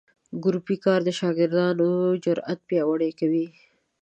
ګروپي کار د شاګردانو جرات پیاوړي کوي.